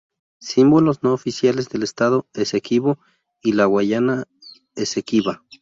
Símbolos no oficiales del Estado Esequibo y la Guayana Esequiba.